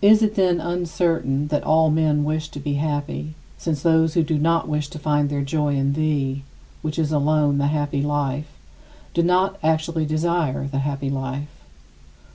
Is it, then, uncertain that all men wish to be happy, since those who do not wish to find their joy in thee which is alone the happy life do not actually desire the happy life?